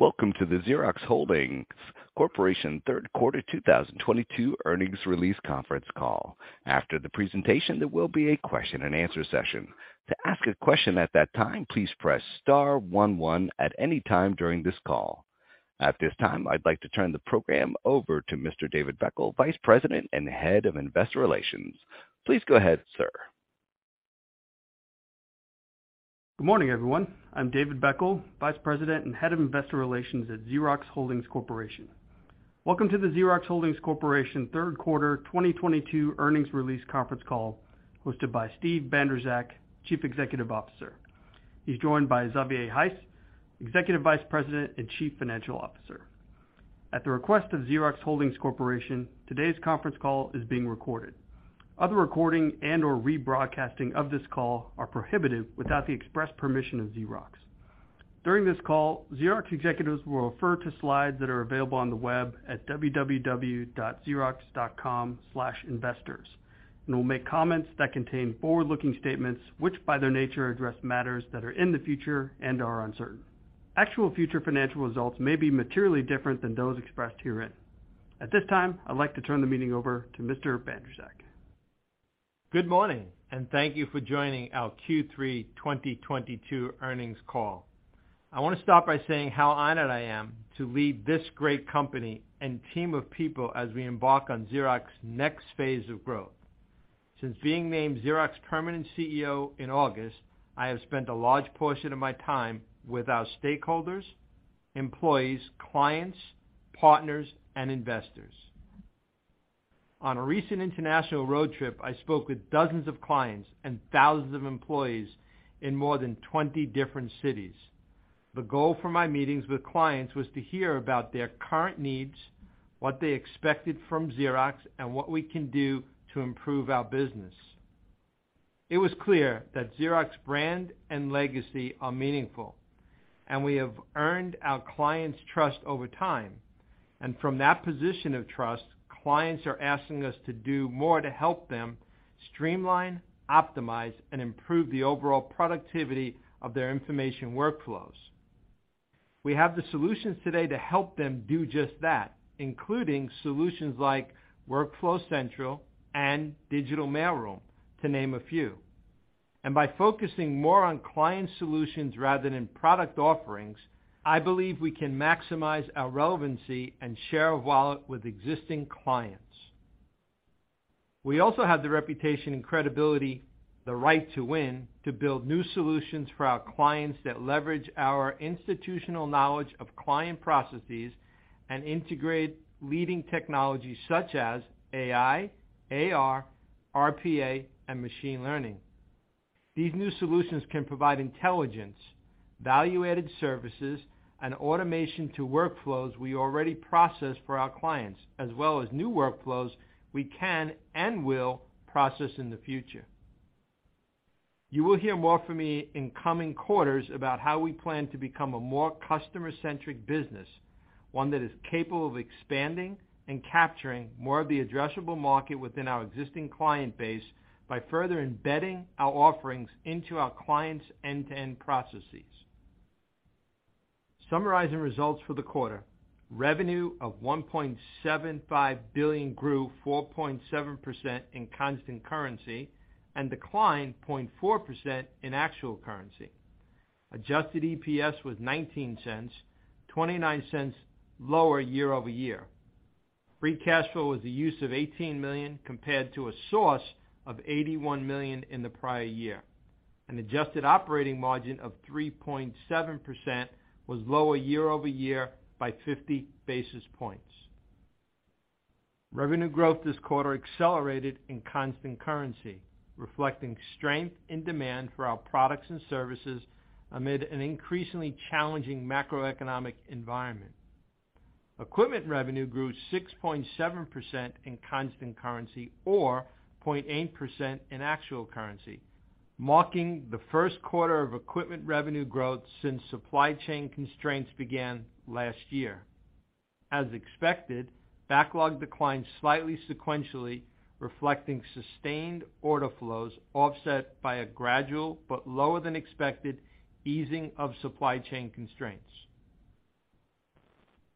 Welcome to the Xerox Holdings Corporation Third Quarter 2022 Earnings Release Conference Call. After the presentation, there will be a question and answer session. To ask a question at that time, please press star one one at any time during this call. At this time, I'd like to turn the program over to Mr. David Beckel, Vice President and Head of Investor Relations. Please go ahead, sir. Good morning, everyone. I'm David Beckel, Vice President and Head of Investor Relations at Xerox Holdings Corporation. Welcome to the Xerox Holdings Corporation Third Quarter 2022 Earnings Release Conference Call hosted by Steve Bandrowczak, Chief Executive Officer. He's joined by Xavier Heiss, Executive Vice President and Chief Financial Officer. At the request of Xerox Holdings Corporation, today's conference call is being recorded. Other recording and/or rebroadcasting of this call are prohibited without the express permission of Xerox. During this call, Xerox executives will refer to slides that are available on the web at www.xerox.com/investors, and will make comments that contain forward-looking statements, which, by their nature, address matters that are in the future and are uncertain. Actual future financial results may be materially different than those expressed herein. At this time, I'd like to turn the meeting over to Mr. Bandrowczak. Good morning, and thank you for joining our Q3 2022 Earnings Call. I want to start by saying how honored I am to lead this great company and team of people as we embark on Xerox's next phase of growth. Since being named Xerox permanent CEO in August, I have spent a large portion of my time with our stakeholders, employees, clients, partners, and investors. On a recent international road trip, I spoke with dozens of clients and thousands of employees in more than 20 different cities. The goal for my meetings with clients was to hear about their current needs, what they expected from Xerox, and what we can do to improve our business. It was clear that Xerox brand and legacy are meaningful, and we have earned our clients' trust over time. From that position of trust, clients are asking us to do more to help them streamline, optimize, and improve the overall productivity of their information workflows. We have the solutions today to help them do just that, including solutions like Workflow Central and Digital Mailroom, to name a few. By focusing more on client solutions rather than product offerings, I believe we can maximize our relevancy and share of wallet with existing clients. We also have the reputation and credibility, the right to win, to build new solutions for our clients that leverage our institutional knowledge of client processes and integrate leading technologies such as AI, AR, RPA, and machine learning. These new solutions can provide intelligence, value-added services, and automation to workflows we already process for our clients, as well as new workflows we can and will process in the future. You will hear more from me in coming quarters about how we plan to become a more customer-centric business, one that is capable of expanding and capturing more of the addressable market within our existing client base by further embedding our offerings into our clients' end-to-end processes. Summarizing results for the quarter, revenue of $1.75 billion grew 4.7% in constant currency and declined 0.4% in actual currency. Adjusted EPS was $0.19, $0.29 lower year-over-year. Free cash flow was a use of $18 million compared to a source of $81 million in the prior year. An adjusted operating margin of 3.7% was lower year-over-year by 50 basis points. Revenue growth this quarter accelerated in constant currency, reflecting strength in demand for our products and services amid an increasingly challenging macroeconomic environment. Equipment revenue grew 6.7% in constant currency or 0.8% in actual currency, marking the first quarter of equipment revenue growth since supply chain constraints began last year. As expected, backlog declined slightly sequentially, reflecting sustained order flows offset by a gradual but lower than expected easing of supply chain constraints.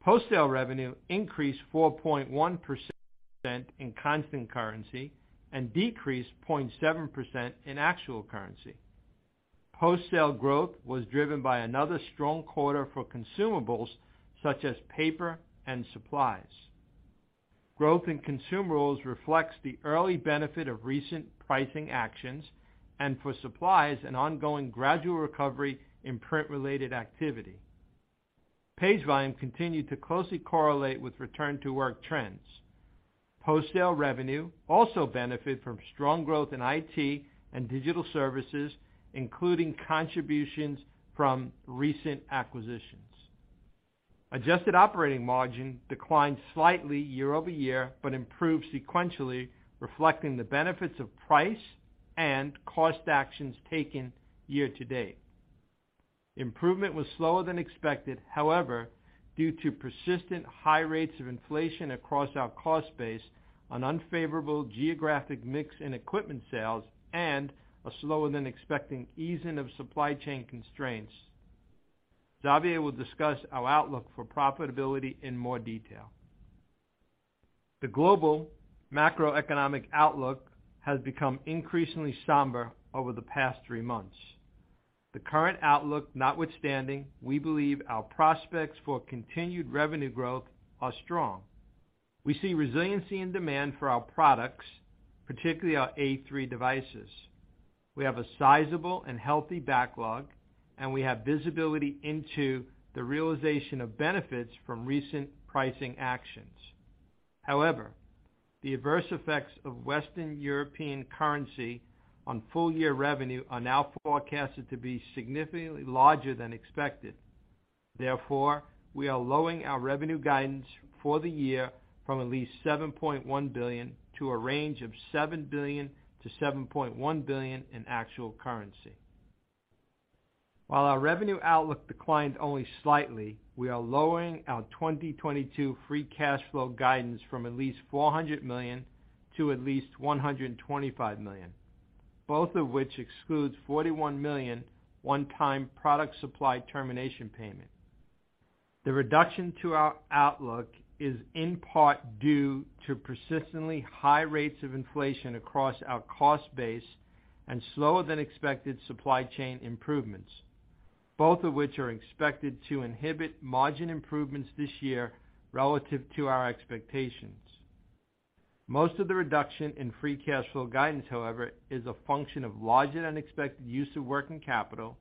Post-sale revenue increased 4.1% in constant currency and decreased 0.7% in actual currency. Post-sale growth was driven by another strong quarter for consumables such as paper and supplies. Growth in consumables reflects the early benefit of recent pricing actions, and for supplies, an ongoing gradual recovery in print-related activity. Page volume continued to closely correlate with return to work trends. Post-sale revenue also benefit from strong growth in IT and digital services, including contributions from recent acquisitions. Adjusted operating margin declined slightly year-over-year, but improved sequentially, reflecting the benefits of price and cost actions taken year to date. Improvement was slower than expected, however, due to persistent high rates of inflation across our cost base and unfavorable geographic mix in equipment sales and a slower than expected easing of supply chain constraints. Xavier will discuss our outlook for profitability in more detail. The global macroeconomic outlook has become increasingly somber over the past three months. The current outlook notwithstanding, we believe our prospects for continued revenue growth are strong. We see resiliency and demand for our products, particularly our A3 devices. We have a sizable and healthy backlog, and we have visibility into the realization of benefits from recent pricing actions. However, the adverse effects of Western European currency on full year revenue are now forecasted to be significantly larger than expected. Therefore, we are lowering our revenue guidance for the year from at least $7.1 billion to a range of $7 billion-$7.1 billion in actual currency. While our revenue outlook declined only slightly, we are lowering our 2022 free cash flow guidance from at least $400 million to at least $125 million, both of which excludes $41 million one-time product supply termination payment. The reduction to our outlook is in part due to persistently high rates of inflation across our cost base and slower than expected supply chain improvements, both of which are expected to inhibit margin improvements this year relative to our expectations. Most of the reduction in free cash flow guidance, however, is a function of larger than expected use of working capital,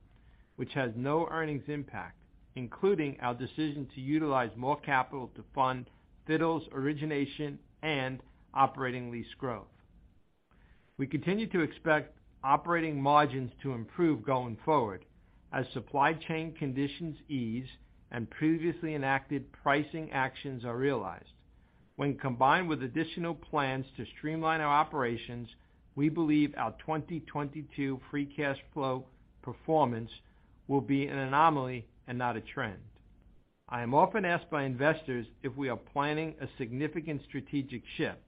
which has no earnings impact, including our decision to utilize more capital to fund Fittle origination and operating lease growth. We continue to expect operating margins to improve going forward as supply chain conditions ease and previously enacted pricing actions are realized. When combined with additional plans to streamline our operations, we believe our 2022 free cash flow performance will be an anomaly and not a trend. I am often asked by investors if we are planning a significant strategic shift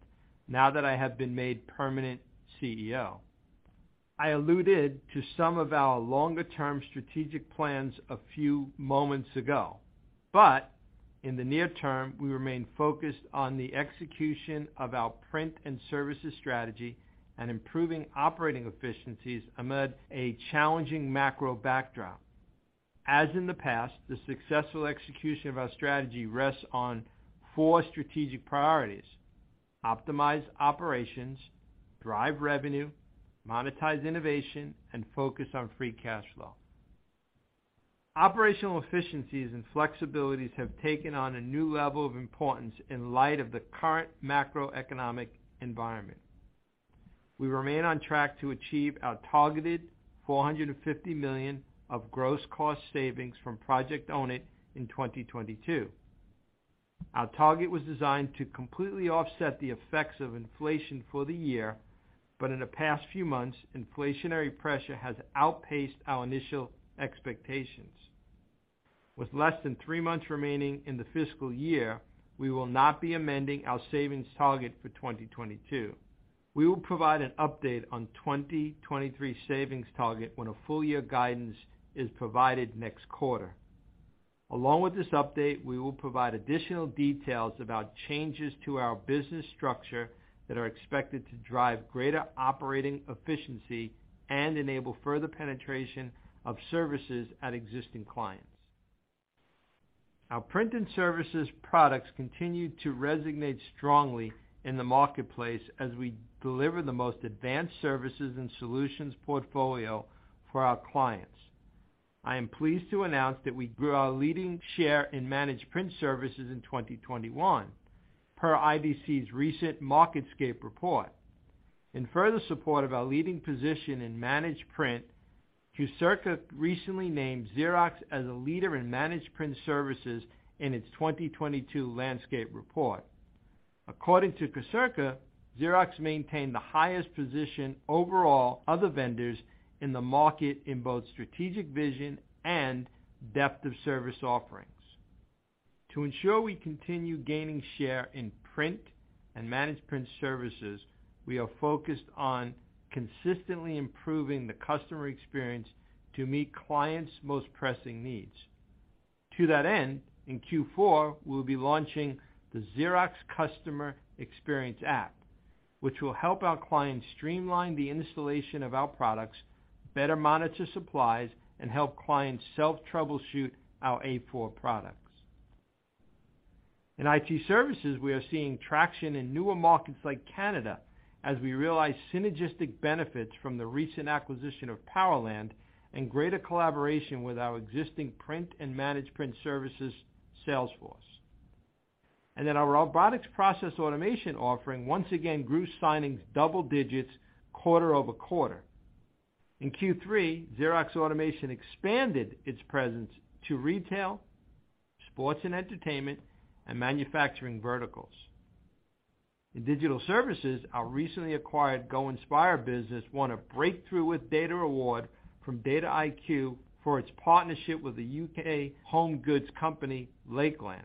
now that I have been made permanent CEO. I alluded to some of our longer-term strategic plans a few moments ago, but in the near term, we remain focused on the execution of our print and services strategy and improving operating efficiencies amid a challenging macro backdrop. As in the past, the successful execution of our strategy rests on four strategic priorities. Optimize operations, drive revenue, monetize innovation, and focus on free cash flow. Operational efficiencies and flexibilities have taken on a new level of importance in light of the current macroeconomic environment. We remain on track to achieve our targeted $450 million of gross cost savings from Project Own It in 2022. Our target was designed to completely offset the effects of inflation for the year, but in the past few months, inflationary pressure has outpaced our initial expectations. With less than three months remaining in the fiscal year, we will not be amending our savings target for 2022. We will provide an update on 2023 savings target when a full year guidance is provided next quarter. Along with this update, we will provide additional details about changes to our business structure that are expected to drive greater operating efficiency and enable further penetration of services at existing clients. Our print and services products continue to resonate strongly in the marketplace as we deliver the most advanced services and solutions portfolio for our clients. I am pleased to announce that we grew our leading share in Managed Print Services in 2021 per IDC's recent MarketScape report. In further support of our leading position in Managed Print Services, Quocirca recently named Xerox as a leader in Managed Print Services in its 2022 Landscape Report. According to Quocirca, Xerox maintained the highest position overall other vendors in the market in both strategic vision and depth of service offerings. To ensure we continue gaining share in print and Managed Print Services, we are focused on consistently improving the customer experience to meet clients' most pressing needs. To that end, in Q4, we'll be launching the Xerox Customer Experience app, which will help our clients streamline the installation of our products, better monitor supplies, and help clients self-troubleshoot our A4 products. In IT services, we are seeing traction in newer markets like Canada as we realize synergistic benefits from the recent acquisition of Powerland and greater collaboration with our existing Print and Managed Print Services sales force. Our Robotic Process Automation offering once again grew signings double digits quarter over quarter. In Q3, Xerox Automation expanded its presence to retail, sports and entertainment, and manufacturing verticals. In digital services, our recently acquired Go Inspire business won a Breakthrough with Data award from DataIQ for its partnership with the U.K. home goods company, Lakeland.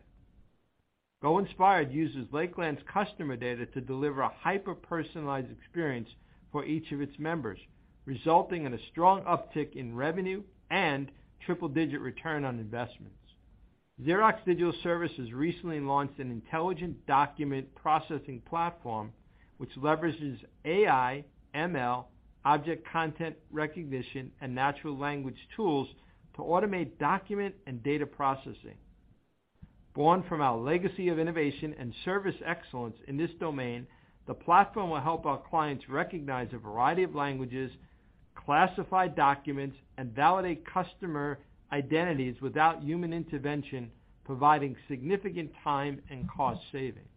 Go Inspire uses Lakeland's customer data to deliver a hyper-personalized experience for each of its members, resulting in a strong uptick in revenue and triple-digit return on investments. Xerox Digital Services recently launched an intelligent document processing platform which leverages AI, ML, optical character recognition, and natural language tools to automate document and data processing. Born from our legacy of innovation and service excellence in this domain, the platform will help our clients recognize a variety of languages, classify documents, and validate customer identities without human intervention, providing significant time and cost savings.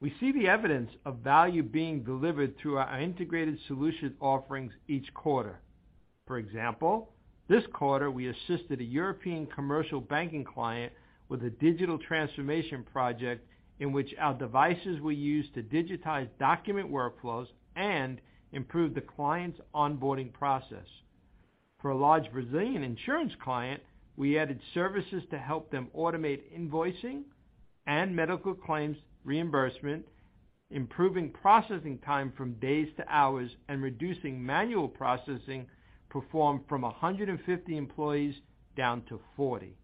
We see the evidence of value being delivered through our integrated solution offerings each quarter. For example, this quarter we assisted a European commercial banking client with a digital transformation project in which our devices were used to digitize document workflows and improve the client's onboarding process. For a large Brazilian insurance client, we added services to help them automate invoicing and medical claims reimbursement, improving processing time from days to hours and reducing manual processing performed from 150 employees down to 40.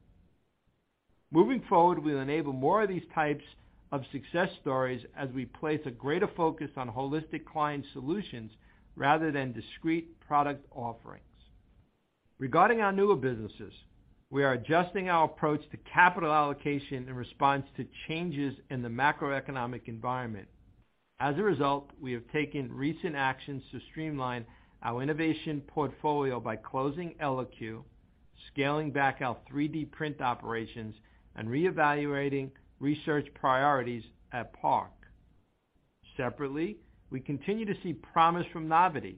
Moving forward, we'll enable more of these types of success stories as we place a greater focus on holistic client solutions rather than discrete product offerings. Regarding our newer businesses, we are adjusting our approach to capital allocation in response to changes in the macroeconomic environment. As a result, we have taken recent actions to streamline our innovation portfolio by closing Eloque, scaling back our 3D print operations, and reevaluating research priorities at PARC. Separately, we continue to see promise from Novity,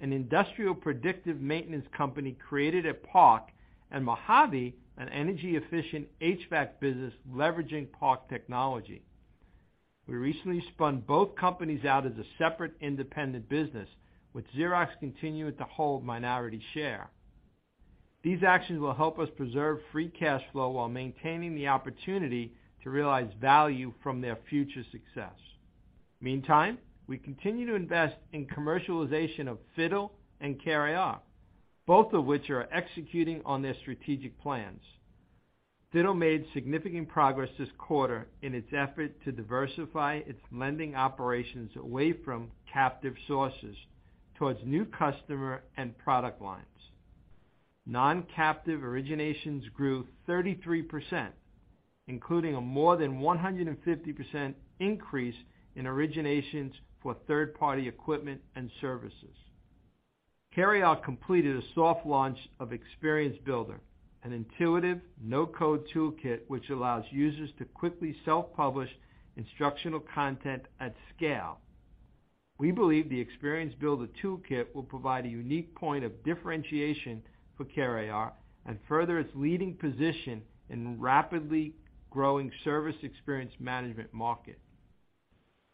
an industrial predictive maintenance company created at PARC, and Mojave, an energy-efficient HVAC business leveraging PARC technology. We recently spun both companies out as a separate independent business, with Xerox continuing to hold minority share. These actions will help us preserve free cash flow while maintaining the opportunity to realize value from their future success. Meantime, we continue to invest in commercialization of FITTLE and CareAR, both of which are executing on their strategic plans. FITTLE made significant progress this quarter in its effort to diversify its lending operations away from captive sources towards new customer and product lines. Non-captive originations grew 33%, including a more than 150% increase in originations for third-party equipment and services. CareAR completed a soft launch of Experience Builder, an intuitive no-code toolkit which allows users to quickly self-publish instructional content at scale. We believe the Experience Builder toolkit will provide a unique point of differentiation for CareAR and further its leading position in rapidly growing service experience management market.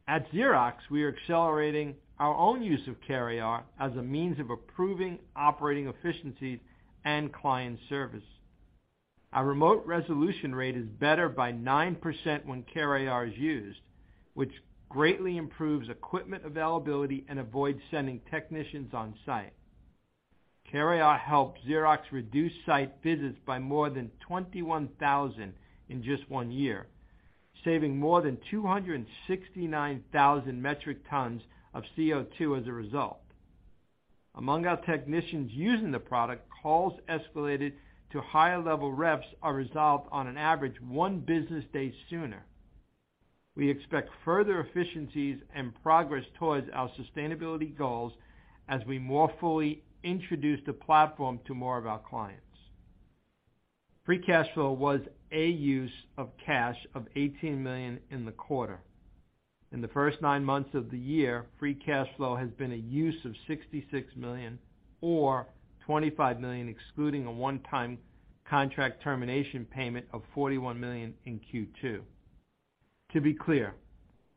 At Xerox, we are accelerating our own use of CareAR as a means of improving operating efficiencies and client service. Our remote resolution rate is better by 9% when CareAR is used, which greatly improves equipment availability and avoids sending technicians on site. CareAR helped Xerox reduce site visits by more than 21,000 in just one year, saving more than 269,000 metric tons of CO2 as a result. Among our technicians using the product, calls escalated to higher level reps are resolved on an average one business day sooner. We expect further efficiencies and progress towards our sustainability goals as we more fully introduce the platform to more of our clients. Free cash flow was a use of cash of $18 million in the quarter. In the first nine months of the year, free cash flow has been a use of $66 million or $25 million, excluding a one-time contract termination payment of $41 million in Q2. To be clear,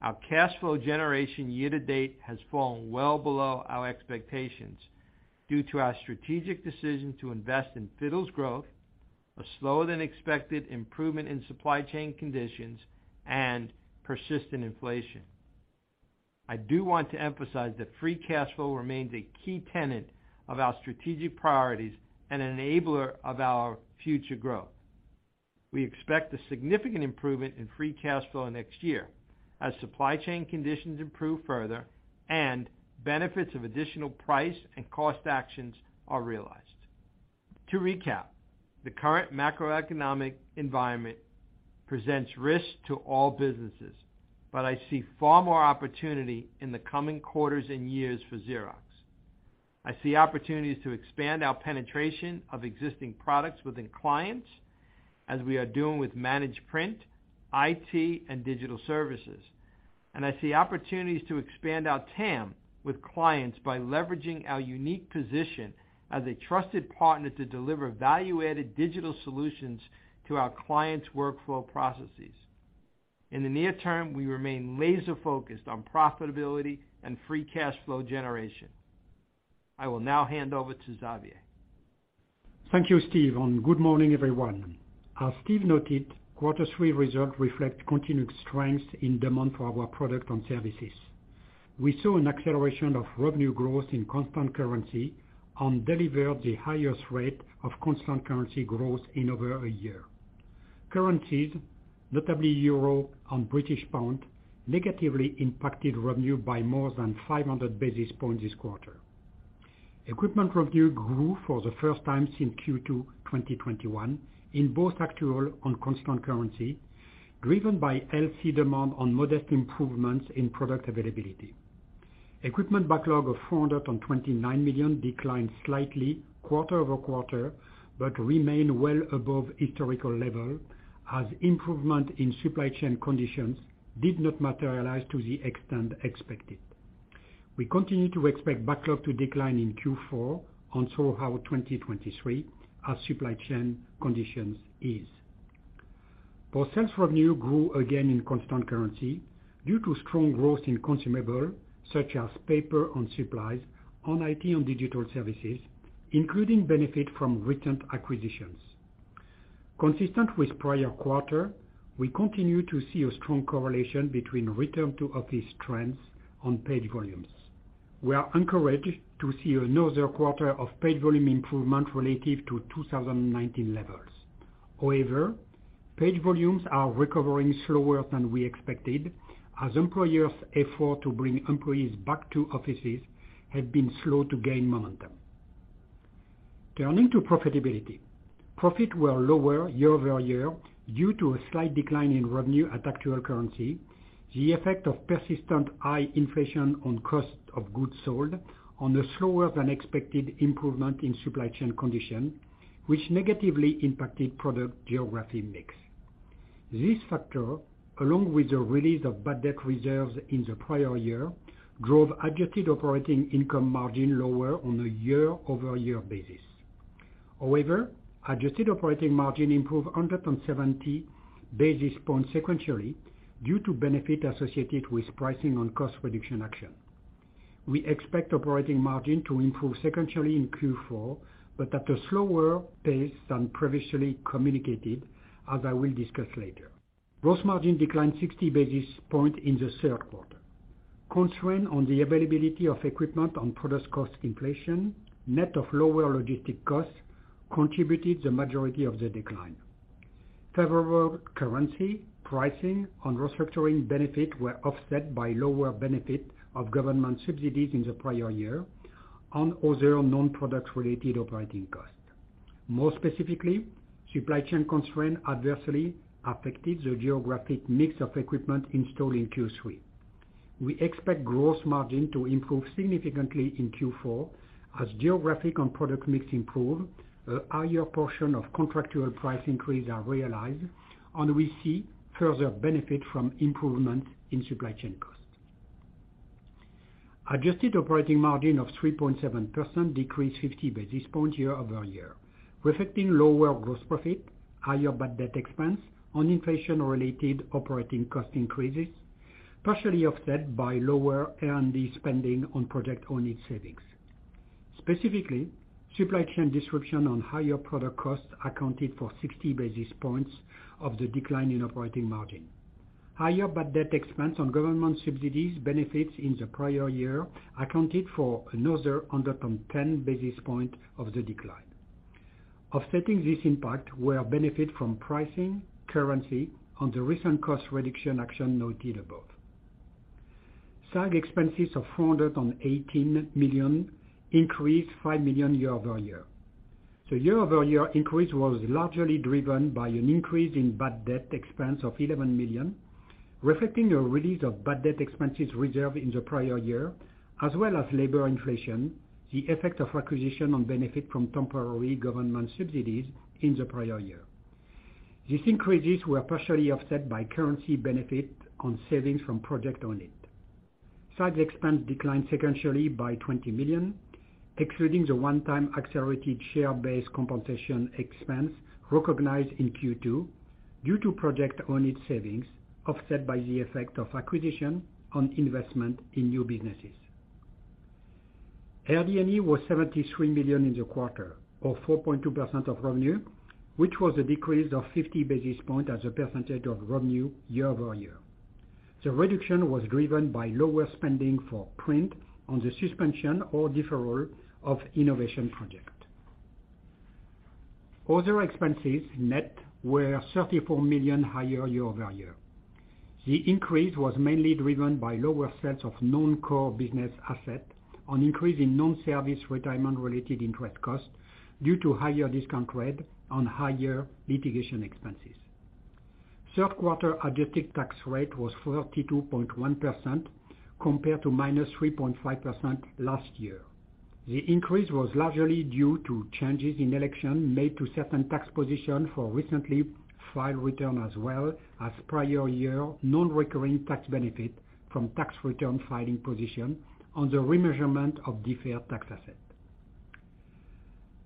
our cash flow generation year to date has fallen well below our expectations due to our strategic decision to invest in FITTLE's growth, a slower than expected improvement in supply chain conditions, and persistent inflation. I do want to emphasize that free cash flow remains a key tenet of our strategic priorities and an enabler of our future growth. We expect a significant improvement in free cash flow next year as supply chain conditions improve further and benefits of additional price and cost actions are realized. To recap, the current macroeconomic environment presents risks to all businesses, but I see far more opportunity in the coming quarters and years for Xerox. I see opportunities to expand our penetration of existing products within clients as we are doing with Managed Print, IT, and Digital Services. I see opportunities to expand our TAM with clients by leveraging our unique position as a trusted partner to deliver value-added digital solutions to our clients' workflow processes. In the near term, we remain laser-focused on profitability and free cash flow generation. I will now hand over to Xavier. Thank you, Steve, and good morning, everyone. As Steve noted, quarter three results reflect continued strength in demand for our products and services. We saw an acceleration of revenue growth in constant currency and delivered the highest rate of constant currency growth in over a year. Currencies, notably euro and British pound, negatively impacted revenue by more than 500 basis points this quarter. Equipment revenue grew for the first time since Q2 2021 in both actual and constant currency, driven by healthy demand on modest improvements in product availability. Equipment backlog of $429 million declined slightly quarter-over-quarter, but remained well above historical level as improvement in supply chain conditions did not materialize to the extent expected. We continue to expect backlog to decline in Q4 and throughout 2023 as supply chain conditions ease. Our sales revenue grew again in constant currency due to strong growth in consumables such as paper and supplies and IT and digital services, including benefits from recent acquisitions. Consistent with prior quarter, we continue to see a strong correlation between return to office trends and page volumes. We are encouraged to see another quarter of page volume improvement relative to 2019 levels. However, page volumes are recovering slower than we expected as employers' efforts to bring employees back to offices have been slow to gain momentum. Turning to profitability. Profits were lower year-over-year due to a slight decline in revenue in actual currency, the effect of persistent high inflation on cost of goods sold, on a slower than expected improvement in supply chain conditions, which negatively impacted product geographic mix. This factor, along with the release of bad debt reserves in the prior year, drove adjusted operating income margin lower on a year-over-year basis. However, adjusted operating margin improved 170 basis points sequentially due to benefits associated with pricing and cost reduction actions. We expect operating margin to improve sequentially in Q4, but at a slower pace than previously communicated, as I will discuss later. Gross margin declined 60 basis points in the third quarter. Constraints on the availability of equipment and product cost inflation, net of lower logistics costs, contributed the majority of the decline. Favorable currency, pricing and restructuring benefits were offset by lower benefits of government subsidies in the prior year and other non-product-related operating costs. More specifically, supply chain constraints adversely affected the geographic mix of equipment installed in Q3. We expect gross margin to improve significantly in Q4 as geographic and product mix improve, a higher portion of contractual price increase are realized, and we see further benefit from improvement in supply chain costs. Adjusted operating margin of 3.7% decreased 50 basis points year-over-year, reflecting lower gross profit, higher bad debt expense and inflation-related operating cost increases, partially offset by lower R&D spending on Project Own It savings. Specifically, supply chain disruptions and higher product costs accounted for 60 basis points of the decline in operating margin. Higher bad debt expense and government subsidies benefits in the prior year accounted for another 110 basis points of the decline. Offsetting this impact were benefits from pricing, currency, and the recent cost reduction action noted above. SG&A expenses of $418 million increased $5 million year-over-year. The year-over-year increase was largely driven by an increase in bad debt expense of $11 million, reflecting a release of bad debt expenses reserved in the prior year, as well as labor inflation, the effect of acquisition and benefit from temporary government subsidies in the prior year. These increases were partially offset by currency benefits and savings from Project Own It. SG&A expense declined sequentially by $20 million, excluding the one-time accelerated share-based compensation expense recognized in Q2 due to Project Own It savings, offset by the effect of acquisition and investment in new businesses. RD&E was $73 million in the quarter, or 4.2% of revenue, which was a decrease of 50 basis points as a percentage of revenue year-over-year. The reduction was driven by lower spending for print and the suspension or deferral of innovation projects. Other expenses net were $34 million higher year-over-year. The increase was mainly driven by lower sales of non-core business asset, an increase in non-service retirement related interest costs due to higher discount rate and higher litigation expenses. Third quarter adjusted tax rate was 32.1% compared to -3.5% last year. The increase was largely due to changes in election made to certain tax positions for recently filed return, as well as prior year non-recurring tax benefit from tax return filing position on the remeasurement of deferred tax asset.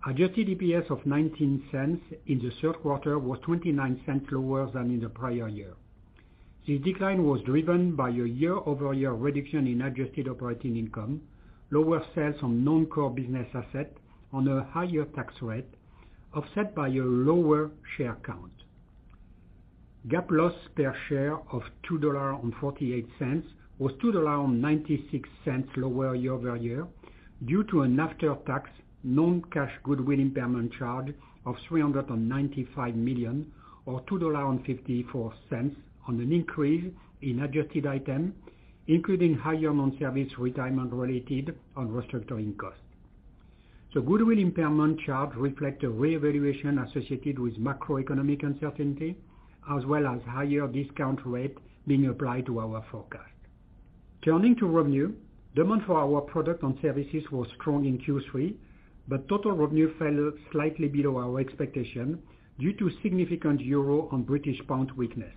Adjusted EPS of $0.19 in the third quarter was $0.29 lower than in the prior year. This decline was driven by a year-over-year reduction in adjusted operating income, lower sales of non-core business assets and a higher tax rate, offset by a lower share count. GAAP loss per share of $2.48 was $2.96 lower year over year due to an after-tax non-cash goodwill impairment charge of $395 million or $2.54 from an increase in adjusted items, including higher non-service retirement-related and restructuring costs. The goodwill impairment charge reflects a reevaluation associated with macroeconomic uncertainty, as well as higher discount rate being applied to our forecast. Turning to revenue, demand for our products and services was strong in Q3, but total revenue fell slightly below our expectations due to significant euro and British pound weakness.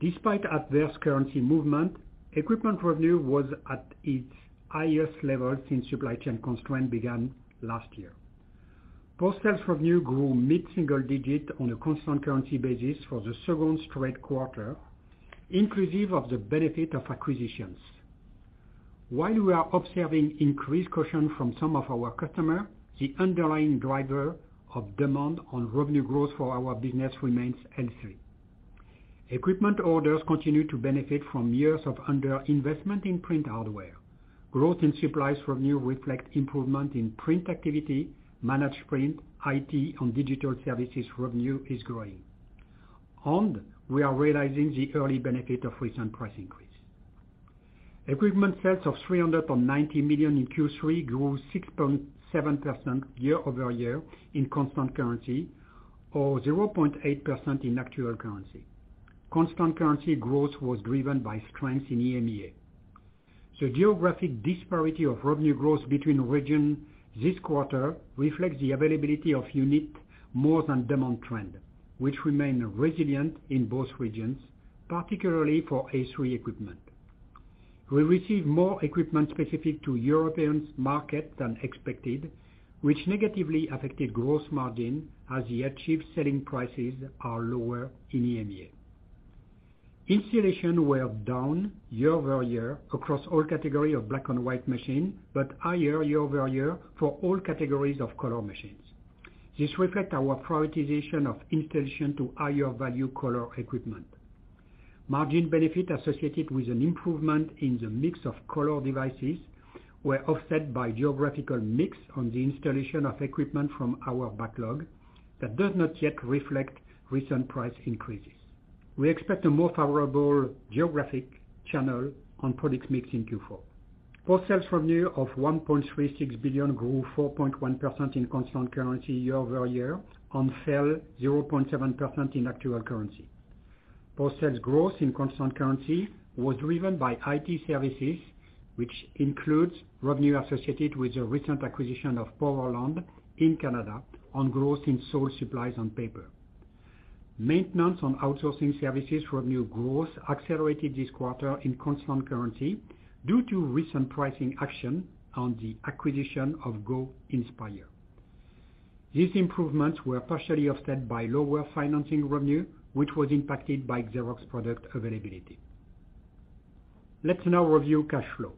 Despite adverse currency movement, equipment revenue was at its highest level since supply chain constraint began last year. Post sales revenue grew mid-single digit on a constant currency basis for the second straight quarter, inclusive of the benefit of acquisitions. While we are observing increased caution from some of our customers, the underlying driver of demand on revenue growth for our business remains healthy. Equipment orders continue to benefit from years of under-investment in print hardware. Growth in supplies revenue reflects improvement in print activity, managed print, IT, and digital services revenue is growing, and we are realizing the early benefit of recent price increase. Equipment sales of $390 million in Q3 grew 6.7% year-over-year in constant currency or 0.8% in actual currency. Constant currency growth was driven by strength in EMEA. The geographic disparity of revenue growth between regions this quarter reflects the availability of units more than demand trends, which remain resilient in both regions, particularly for A3 equipment. We received more equipment specific to European market than expected, which negatively affected gross margin as the achieved selling prices are lower in EMEA. Installations were down year-over-year across all categories of black-and-white machines, but higher year-over-year for all categories of color machines. This reflects our prioritization of installations to higher-value color equipment. Margin benefits associated with an improvement in the mix of color devices were offset by geographical mix on the installation of equipment from our backlog that does not yet reflect recent price increases. We expect a more favorable geographic and channel mix on product mix in Q4. Post-sales revenue of $1.36 billion grew 4.1% in constant currency year-over-year and fell 0.7% in actual currency. Post-sales growth in constant currency was driven by IT services, which includes revenue associated with the recent acquisition of Powerland in Canada, and growth in supplies and paper. Maintenance and outsourcing services revenue growth accelerated this quarter in constant currency due to recent pricing action and the acquisition of Go Inspire. These improvements were partially offset by lower financing revenue, which was impacted by Xerox product availability. Let's now review cash flow.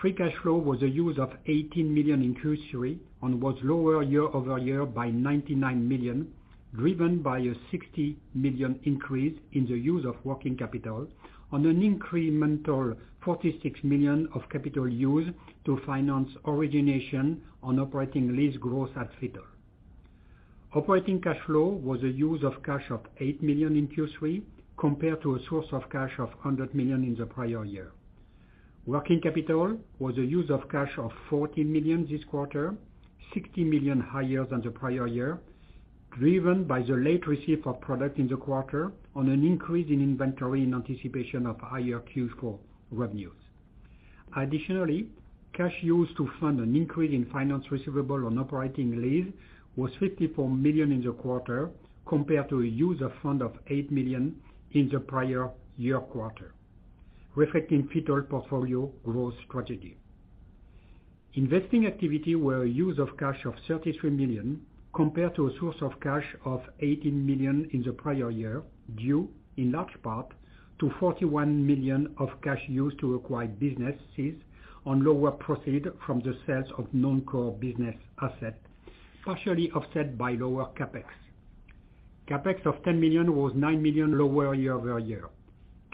Free cash flow was a use of $18 million in Q3 and was lower year-over-year by $99 million, driven by a $60 million increase in the use of working capital and an incremental $46 million of capital use to finance origination on operating lease growth at FITTLE. Operating cash flow was a use of cash of $8 million in Q3, compared to a source of cash of $100 million in the prior year. Working capital was a use of cash of $14 million this quarter, $60 million higher than the prior year, driven by the late receipt of product in the quarter and an increase in inventory in anticipation of higher Q4 revenues. Additionally, cash used to fund an increase in finance receivable on operating lease was $54 million in the quarter, compared to a use of funds of $8 million in the prior year quarter, reflecting FITTLE portfolio growth strategy. Investing activity were a use of cash of $33 million, compared to a source of cash of $18 million in the prior year, due in large part to $41 million of cash used to acquire businesses and lower proceeds from the sales of non-core business assets, partially offset by lower CapEx. CapEx of $10 million was $9 million lower year over year.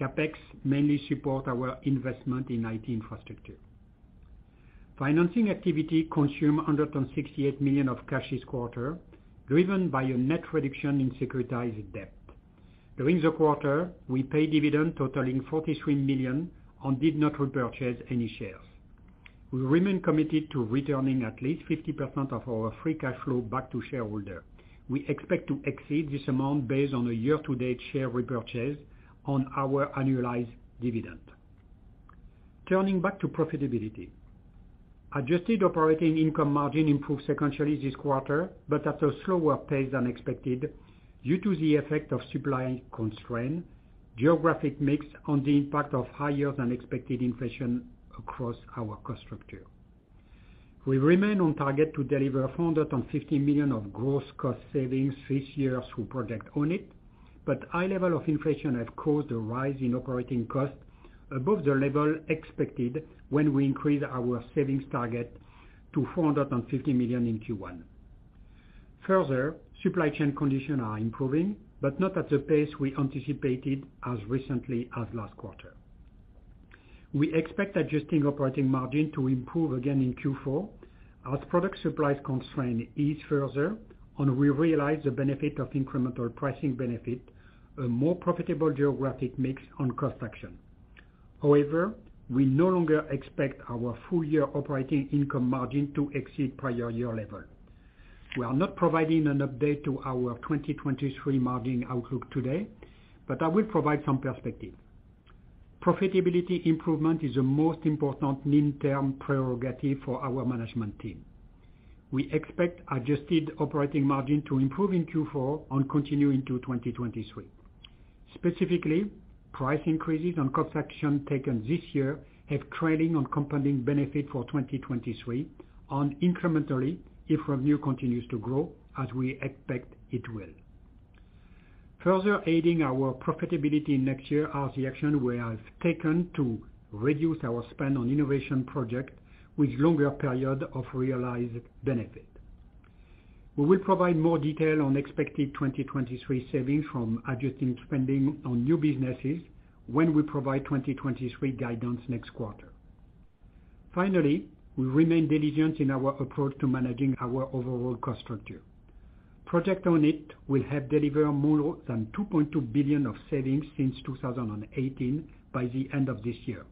CapEx mainly support our investment in IT infrastructure. Financing activity consume $168 million of cash this quarter, driven by a net reduction in securitized debt. During the quarter, we paid dividends totaling $43 million and did not repurchase any shares. We remain committed to returning at least 50% of our free cash flow back to shareholder. We expect to exceed this amount based on a year-to-date share repurchase and our annualized dividend. Turning back to profitability. Adjusted operating income margin improved sequentially this quarter, but at a slower pace than expected due to the effect of supply constraint, geographic mix, and the impact of higher than expected inflation across our cost structure. We remain on target to deliver $450 million of gross cost savings this year through Project Own It, but high level of inflation have caused a rise in operating costs above the level expected when we increased our savings target to $450 million in Q1. Further, supply chain conditions are improving, but not at the pace we anticipated as recently as last quarter. We expect adjusting operating margin to improve again in Q4 as product supply constraints ease further, and we realize the benefit of incremental pricing benefits, a more profitable geographic mix and cost actions. However, we no longer expect our full-year operating income margin to exceed prior-year levels. We are not providing an update to our 2023 margin outlook today, but I will provide some perspective. Profitability improvement is the most important near-term prerogative for our management team. We expect adjusted operating margin to improve in Q4 and continue into 2023. Specifically, price increases and cost actions taken this year have a trailing and compounding benefit for 2023, and incrementally if revenue continues to grow, as we expect it will. Further aiding our profitability next year are the actions we have taken to reduce our spend on innovation projects with longer periods of realized benefit. We will provide more detail on expected 2023 savings from adjusting spending on new businesses when we provide 2023 guidance next quarter. Finally, we remain diligent in our approach to managing our overall cost structure. Project Own It will have delivered more than $2.2 billion of savings since 2018 by the end of this year.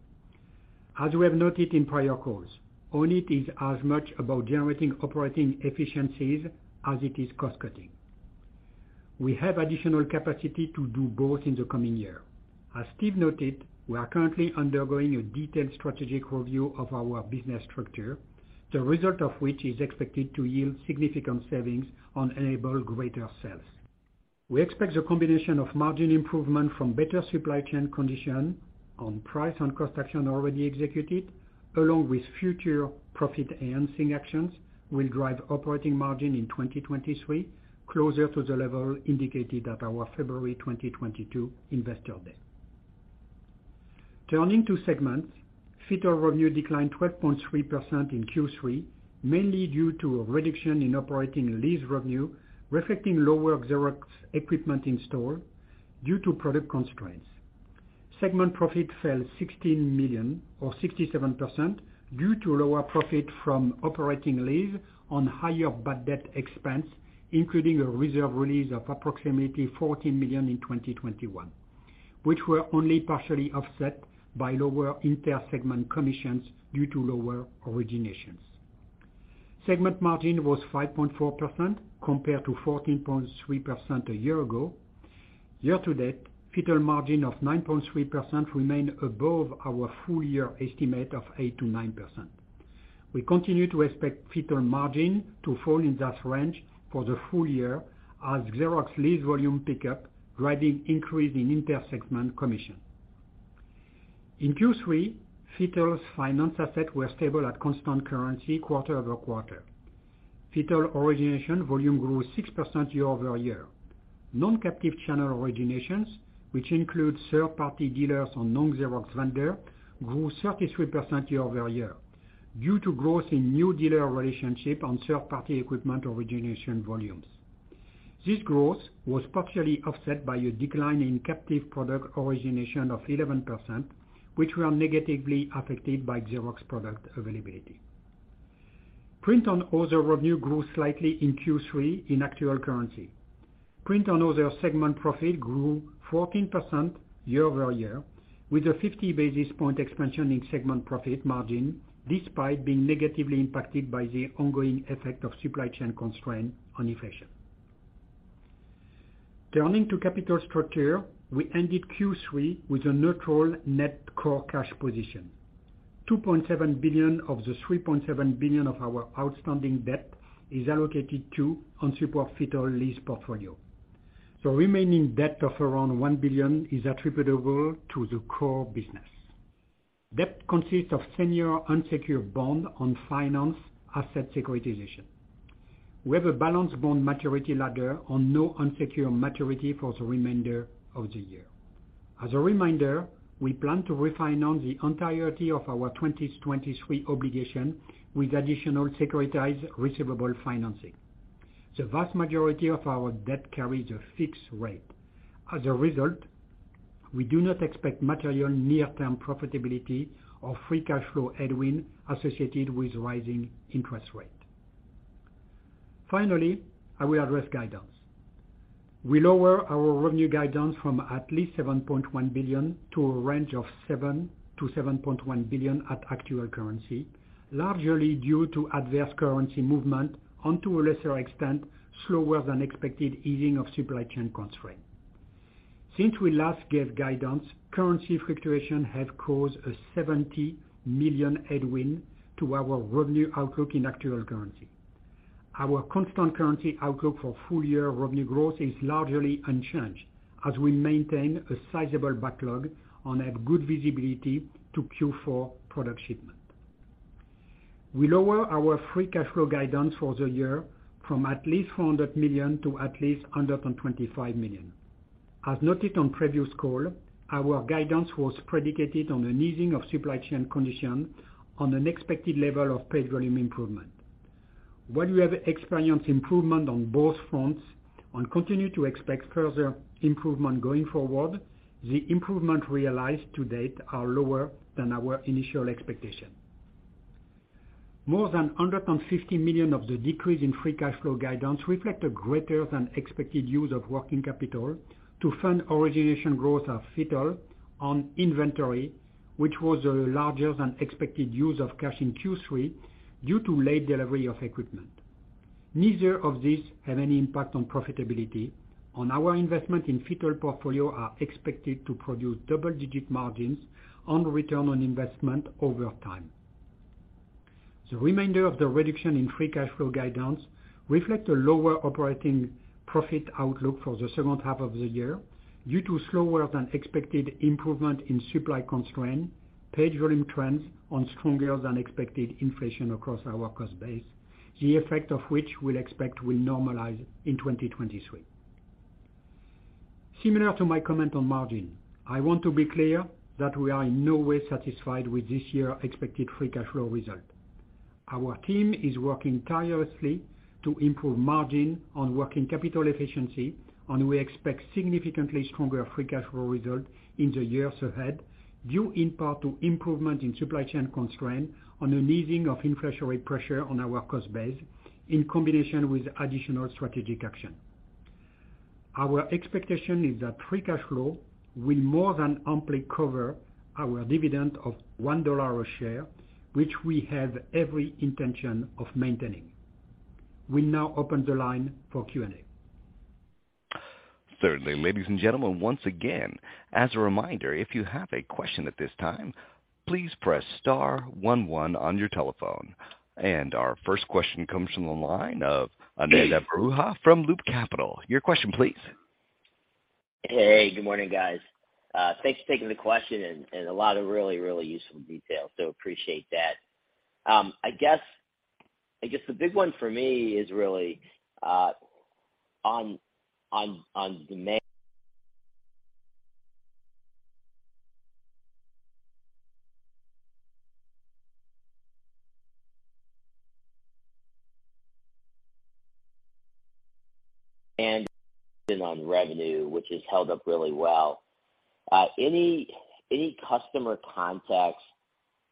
As we have noted in prior calls, Own It is as much about generating operating efficiencies as it is cost-cutting. We have additional capacity to do both in the coming year. As Steve noted, we are currently undergoing a detailed strategic review of our business structure, the result of which is expected to yield significant savings and enable greater sales. We expect the combination of margin improvement from better supply chain condition on price and cost action already executed, along with future profit-enhancing actions, will drive operating margin in 2023 closer to the level indicated at our February 2022 investor day. Turning to segments, FITTLE revenue declined 12.3% in Q3, mainly due to a reduction in operating lease revenue, reflecting lower Xerox equipment in store due to product constraints. Segment profit fell $16 million or 67% due to lower profit from operating lease on higher bad debt expense, including a reserve release of approximately $14 million in 2021, which were only partially offset by lower inter-segment commissions due to lower originations. Segment margin was 5.4% compared to 14.3% a year ago. Year to date, FITTLE margin of 9.3% remain above our full year estimate of 8%-9%. We continue to expect FITTLE margin to fall in that range for the full year as Xerox lease volume pick up, driving increase in inter-segment commission. In Q3, FITTLE's finance asset were stable at constant currency quarter-over-quarter. FITTLE origination volume grew 6% year-over-year. Non-captive channel originations, which includes third-party dealers and non-Xerox vendor, grew 33% year-over-year due to growth in new dealer relationship and third-party equipment origination volumes. This growth was partially offset by a decline in captive product origination of 11%, which were negatively affected by Xerox product availability. Print and other revenue grew slightly in Q3 in actual currency. Print and Other segment profit grew 14% year-over-year, with a 50 basis point expansion in segment profit margin despite being negatively impacted by the ongoing effect of supply chain constraints and inflation. Turning to capital structure, we ended Q3 with a neutral net core cash position. $2.7 billion of the $3.7 billion of our outstanding debt is allocated to the FITTLE lease portfolio. The remaining debt of around $1 billion is attributable to the core business. Debt consists of senior unsecured bonds and finance asset securitization. We have a balanced bond maturity ladder and no unsecured maturity for the remainder of the year. As a reminder, we plan to refinance the entirety of our 2023 obligation with additional securitized receivable financing. The vast majority of our debt carries a fixed rate. As a result, we do not expect material near-term profitability or free cash flow headwind associated with rising interest rates. Finally, I will address guidance. We lower our revenue guidance from at least $7.1 billion to a range of $7 billion-$7.1 billion at actual currency, largely due to adverse currency movement and to a lesser extent, slower than expected easing of supply chain constraints. Since we last gave guidance, currency fluctuations have caused a $70 million headwind to our revenue outlook in actual currency. Our constant currency outlook for full year revenue growth is largely unchanged as we maintain a sizable backlog and have good visibility to Q4 product shipments. We lower our free cash flow guidance for the year from at least $400 million to at least $125 million. As noted on previous call, our guidance was predicated on an easing of supply chain conditions and an expected level of paid volume improvement. While we have experienced improvement on both fronts and continue to expect further improvement going forward, the improvement realized to date is lower than our initial expectation. More than $150 million of the decrease in free cash flow guidance reflects a greater than expected use of working capital to fund origination growth of FITTLE and inventory, which was a larger than expected use of cash in Q3 due to late delivery of equipment. Neither of these has any impact on profitability, and our investment in FITTLE portfolio is expected to produce double-digit margins on return on investment over time. The remainder of the reduction in free cash flow guidance reflects a lower operating profit outlook for the second half of the year due to slower than expected improvement in supply constraints, paid volume trends, and stronger than expected inflation across our cost base, the effect of which we expect will normalize in 2023. Similar to my comment on margin, I want to be clear that we are in no way satisfied with this year's expected free cash flow result. Our team is working tirelessly to improve margins and working capital efficiency, and we expect significantly stronger free cash flow results in the years ahead, due in part to improvements in supply chain constraints and an easing of inflationary pressure on our cost base in combination with additional strategic actions. Our expectation is that free cash flow will more than amply cover our dividend of $1 a share, which we have every intention of maintaining. We now open the line for Q&A. Certainly. Ladies and gentlemen, once again, as a reminder, if you have a question at this time, please press star one one on your telephone. Our first question comes from the line of Ananda Baruah from Loop Capital. Your question please. Hey, good morning, guys. Thanks for taking the question and a lot of really useful details. Appreciate that. I guess the big one for me is really on-demand and backend revenue, which has held up really well. Any customer contacts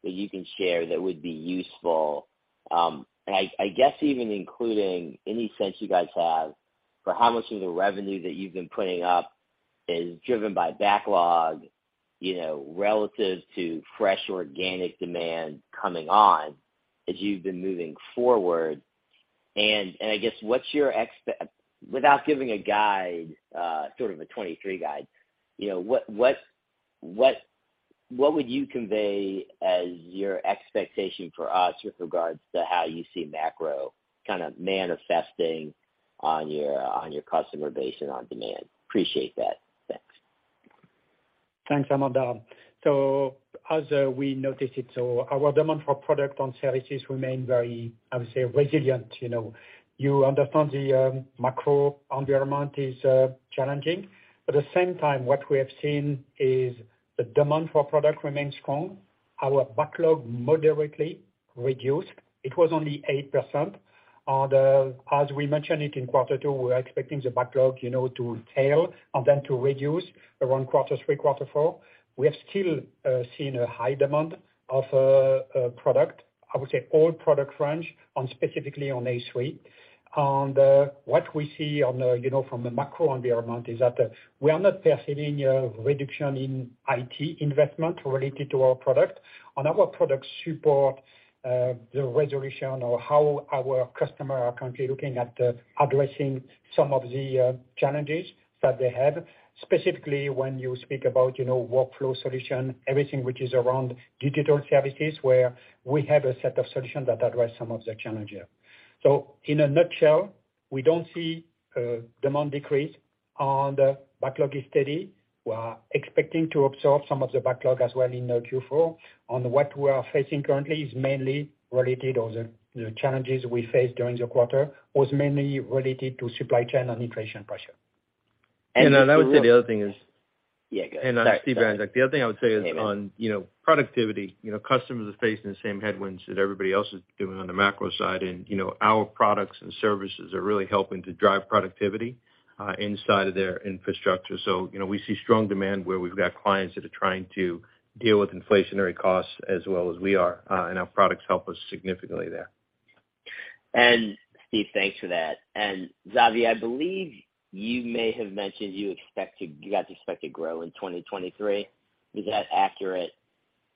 that you can share that would be useful. I guess even including any sense you guys have for how much of the revenue that you've been putting up is driven by backlog, you know, relative to fresh organic demand coming on as you've been moving forward. I guess what's your expectation without giving a guide, sort of a 2023 guide, you know, what would you convey as your expectation for us with regards to how you see macro kind of manifesting on your customer base and on demand? Appreciate that. Thanks. Thanks, Ananda. As we noticed, our demand for product and services remains very resilient, I would say. You know, you understand the macro environment is challenging. At the same time, what we have seen is the demand for product remains strong. Our backlog moderately reduced. It was only 8%. As we mentioned in quarter two, we're expecting the backlog, you know, to tail and then to reduce around quarter three, quarter four. We have still seen a high demand of product. I would say all product range, specifically on A3 suite. What we see from the macro environment is that we are not perceiving a reduction in IT investment related to our product. Our products support the resolution or how our customer are currently looking at addressing some of the challenges that they have. Specifically, when you speak about, you know, workflow solution, everything which is around digital services, where we have a set of solutions that address some of the challenge here. In a nutshell, we don't see demand decrease and backlog is steady. We are expecting to absorb some of the backlog as well in Q4. What we are facing currently is mainly related to the challenges we face during the quarter was mainly related to supply chain and inflation pressure. I would say the other thing is. Yeah, go ahead. Steve. The other thing I would say is on, you know, productivity, you know, customers are facing the same headwinds that everybody else is doing on the macro side. You know, our products and services are really helping to drive productivity inside of their infrastructure. You know, we see strong demand where we've got clients that are trying to deal with inflationary costs as well as we are, and our products help us significantly there. Steve, thanks for that. Xavier Heiss, I believe you may have mentioned you guys expect to grow in 2023. Is that accurate?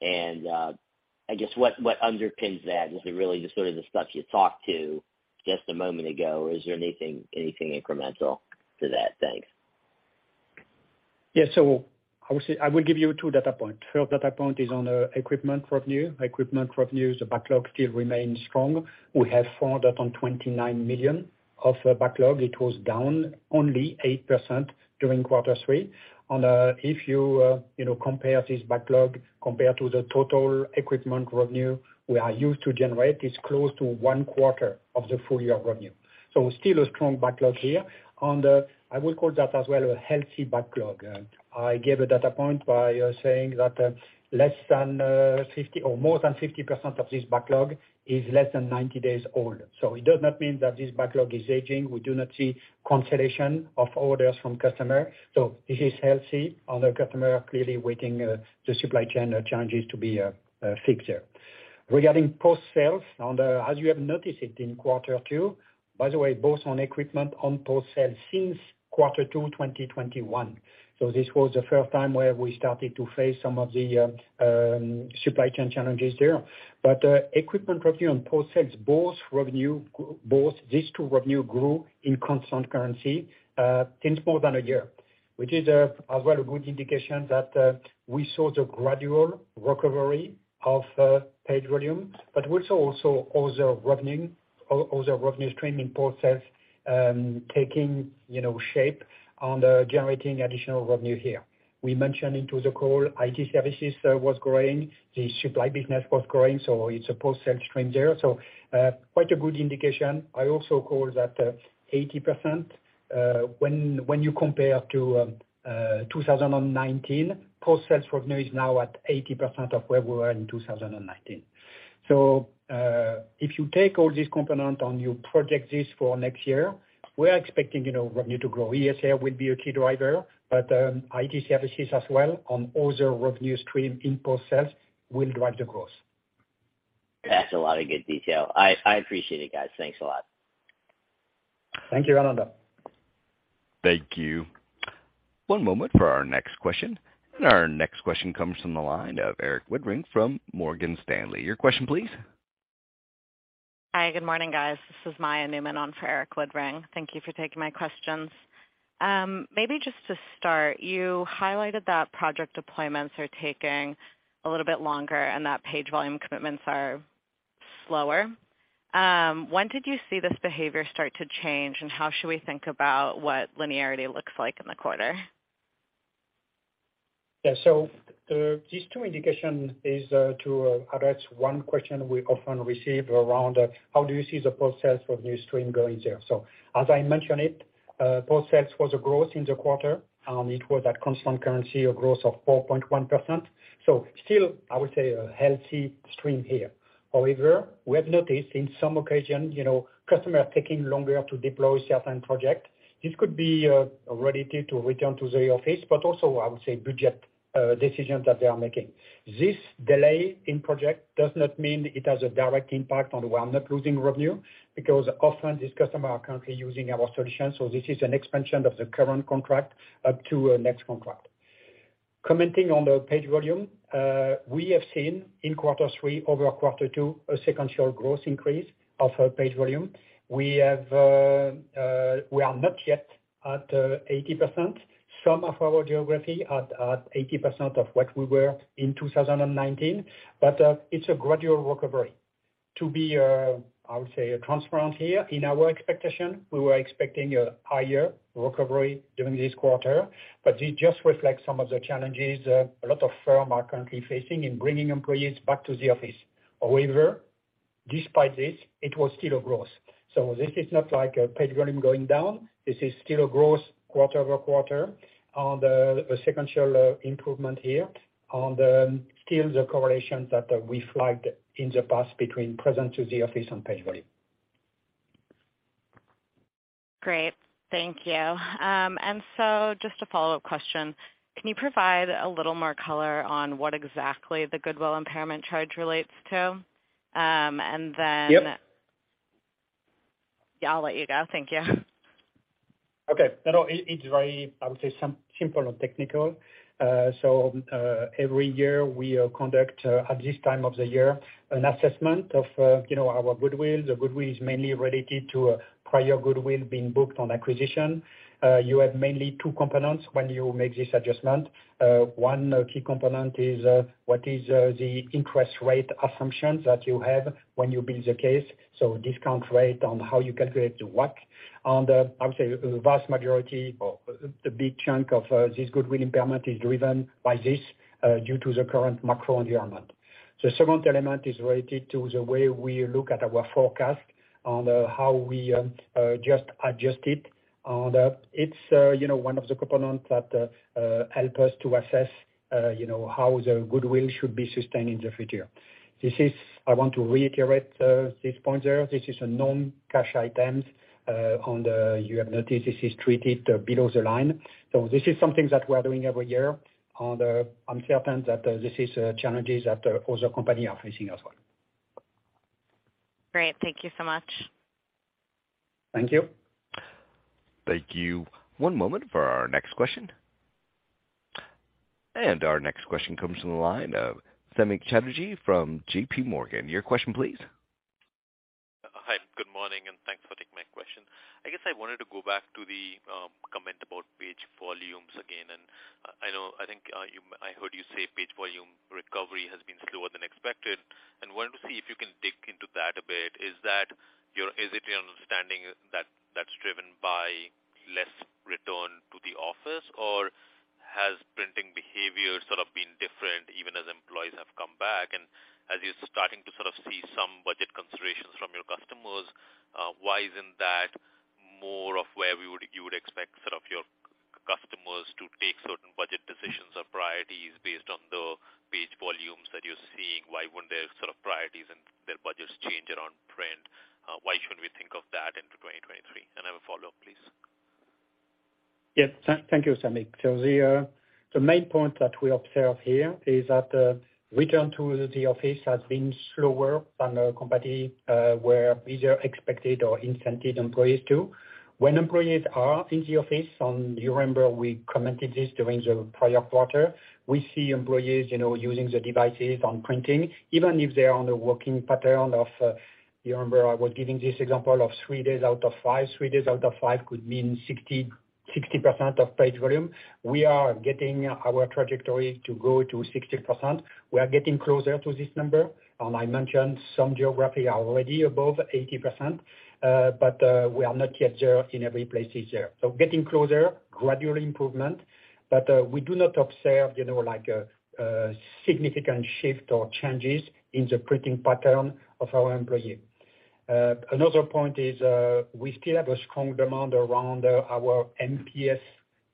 I guess what underpins that? Is it really just sort of the stuff you talked to just a moment ago? Or is there anything incremental to that? Thanks. Yes. I would say, I will give you two data point. First data point is on equipment revenue. Equipment revenue, the backlog still remains strong. We have $29 million of backlog, it was down only 8% during quarter three. If you know, compare this backlog compared to the total equipment revenue we are used to generate, it's close to one quarter of the full year revenue. Still a strong backlog here. On that I will call that as well a healthy backlog. I gave a data point by saying that, less than 50 or more than 50% of this backlog is less than 90 days old. It does not mean that this backlog is aging. We do not see cancellation of orders from customer. This is healthy on the customer, clearly waiting, the supply chain challenges to be fixed there. Regarding post-sales, as you have noticed it in quarter two, by the way, both equipment and post-sales since quarter two, 2021. This was the first time where we started to face some of the supply chain challenges there. Equipment revenue and post-sales, both these two revenues grew in constant currency since more than a year, which is a very good indication that we saw the gradual recovery of page volume, but we saw also other revenue, other revenue stream in post-sales taking shape and generating additional revenue here. We mentioned in the call, IT services was growing, the supply business was growing, so it's a post-sales stream there. Quite a good indication. I also call that 80%, when you compare to 2019, post-sales revenue is now at 80% of where we were in 2019. If you take all this component and you project this for next year, we are expecting, you know, revenue to grow. ESR will be a key driver, but IT services as well on other revenue stream in post-sales will drive the growth. That's a lot of good detail. I appreciate it, guys. Thanks a lot. Thank you, Ananda Baruah. Thank you. One moment for our next question. Our next question comes from the line of Erik Woodring from Morgan Stanley. Your question please. Hi, good morning, guys. This is Maya Neuman on for Erik Woodring. Thank you for taking my questions. Maybe just to start, you highlighted that project deployments are taking a little bit longer and that page volume commitments are slower. When did you see this behavior start to change, and how should we think about what linearity looks like in the quarter? These two indications to address one question we often receive around how do you see the post-sales revenue stream going there? As I mentioned it, post-sales was a growth in the quarter. It was at constant currency, a growth of 4.1%. Still, I would say a healthy stream here. However, we have noticed in some occasions, you know, customers taking longer to deploy certain projects. This could be related to return to the office, but also I would say budget decisions that they are making. This delay in projects does not mean it has a direct impact on. We are not losing revenue because often these customers are currently using our solution, so this is an expansion of the current contract up to a next contract. Commenting on the page volume, we have seen in quarter three over quarter two a sequential growth increase of page volume. We are not yet at 80%. Some of our geography are at 80% of what we were in 2019, but it's a gradual recovery. To be, I would say, transparent here, in our expectation, we were expecting a higher recovery during this quarter, but it just reflects some of the challenges a lot of firm are currently facing in bringing employees back to the office. However, despite this, it was still a growth. This is not like a page volume going down. This is still a growth quarter-over-quarter on the sequential improvement here, and still the correlation that we flagged in the past between presence to the office and paid volume. Great. Thank you. Just a follow-up question. Can you provide a little more color on what exactly the goodwill impairment charge relates to? Yep. Yeah, I'll let you go. Thank you. No, no, it's very, I would say, simple and technical. Every year we conduct, at this time of the year, an assessment of, you know, our goodwill. The goodwill is mainly related to prior goodwill being booked on acquisition. You have mainly two components when you make this adjustment. One key component is what is the interest rate assumptions that you have when you build the case. Discount rate on how you calculate the WACC on the, I would say, the vast majority or the big chunk of this goodwill impairment is driven by this due to the current macro environment. The second element is related to the way we look at our forecast on how we adjust it. It's, you know, one of the components that help us to assess, you know, how the goodwill should be sustained in the future. I want to reiterate this point there. This is a non-cash item. You have noticed this is treated below the line. This is something that we are doing every year. I'm certain that these are challenges that other companies are facing as well. Great. Thank you so much. Thank you. Thank you. One moment for our next question. Our next question comes from the line of Samik Chatterjee from JPMorgan. Your question please. I guess I wanted to go back to the, comment about page volumes again. I know, I think, I heard you say page volume recovery has been slower than expected. I wanted to see if you can dig into that a bit. Is it your understanding that that's driven by less return to the office or has printing behavior sort of been different even as employees have come back? As you're starting to sort of see some budget considerations from your customers, why isn't that more of where you would expect sort of your customers to take certain budget decisions or priorities based on the page volumes that you're seeing? Why wouldn't their sort of priorities and their budgets change around print? Why should we think of that into 2023? I have a follow-up, please. Thank you, Samik. The main point that we observe here is that return to the office has been slower than the company either expected or incentivized employees to. When employees are in the office, you remember we commented this during the prior quarter, we see employees, you know, using the devices and printing, even if they are on a working pattern of, you remember I was giving this example of three days out of five. Three days out of five could mean 60% of page volume. We are getting our trajectory to go to 60%. We are getting closer to this number, and I mentioned some geographies are already above 80%. We are not yet there in every place this year. Getting closer, gradual improvement, but we do not observe, you know, like a significant shift or changes in the printing pattern of our employee. Another point is we still have a strong demand around our MPS,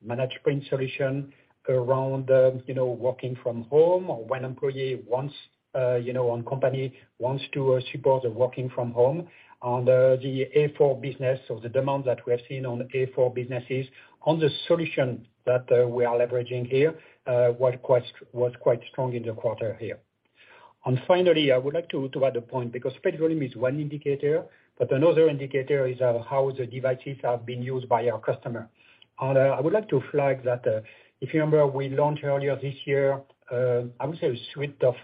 Managed Print Services, around, you know, working from home or when employee wants, you know, or company wants to support working from home. The A4 business or the demand that we have seen on A4 businesses on the solution that we are leveraging here was quite strong in the quarter here. Finally, I would like to add a point because page volume is one indicator, but another indicator is how the devices are being used by our customer. I would like to flag that, if you remember, we launched earlier this year, I would say a suite of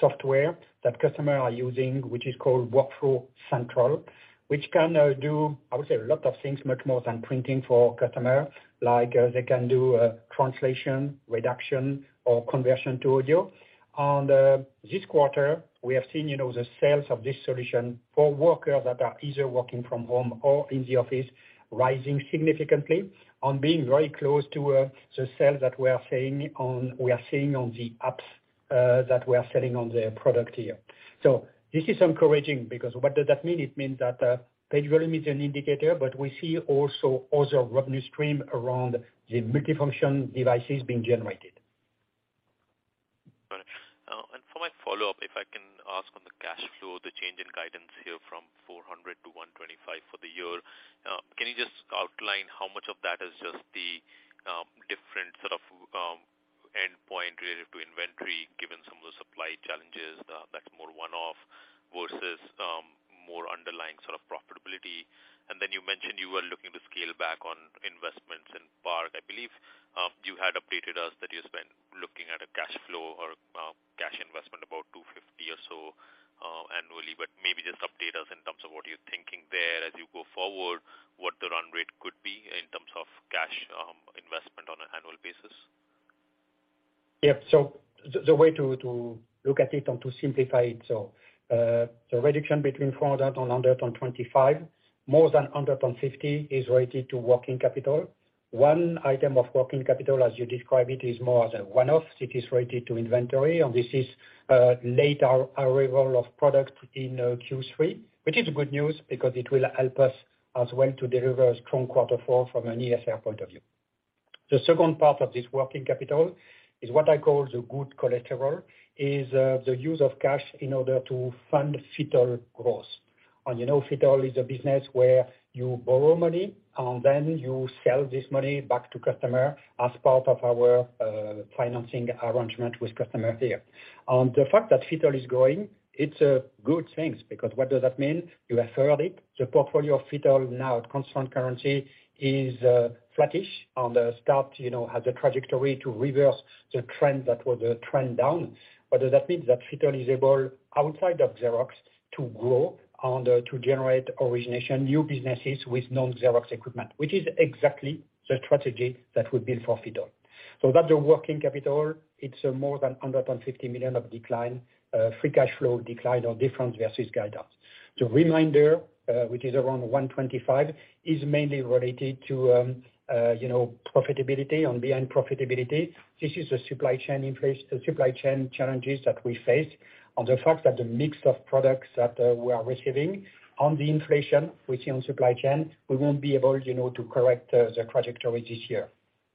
software that customer are using, which is called Workflow Central, which can do, I would say, a lot of things much more than printing for customer. Like, they can do translation, reduction, or conversion to audio. This quarter, we have seen, you know, the sales of this solution for workers that are either working from home or in the office rising significantly and being very close to the sales that we are seeing on the apps that we are selling on the product here. This is encouraging because what does that mean? It means that, page volume is an indicator, but we see also other revenue stream around the multifunction devices being generated. Got it. For my follow-up, if I can ask on the cash flow, the change in guidance here from $400 to $125 for the year, can you just outline how much of that is just the different sort of endpoint related to inventory, given some of the supply challenges, that's more one-off versus more underlying sort of profitability? You mentioned you were looking to scale back on investments in PARC. I believe you had updated us that you spend looking at a cash flow or cash investment about $250 or so annually. Maybe just update us in terms of what you're thinking there as you go forward, what the run rate could be in terms of cash investment on an annual basis. The way to look at it and to simplify it, the reduction between $425, more than $150 is related to working capital. One item of working capital, as you describe it, is more of a one-off. It is related to inventory, and this is late arrival of product in Q3, which is good news because it will help us as well to deliver a strong quarter four from an ESR point of view. The second part of this working capital is what I call the good collateral, is the use of cash in order to fund FITTLE growth. You know FITTLE is a business where you borrow money, and then you sell this money back to customer as part of our financing arrangement with customer there. The fact that FITTLE is growing, it's a good thing because what does that mean? You have heard it. The portfolio of FITTLE now at constant currency is flattish on the start, you know, has a trajectory to reverse the trend that was a trend down. That means that FITTLE is able, outside of Xerox, to grow and to generate origination, new businesses with non-Xerox equipment, which is exactly the strategy that we built for FITTLE. That's the working capital. It's more than $150 million of decline, free cash flow decline or difference versus guidance. The remainder, which is around $125 million, is mainly related to profitability and beyond profitability. This is the supply chain challenges that we face, and the fact that the mix of products that we are receiving and the inflation we see on supply chain, we won't be able, you know, to correct the trajectory this year.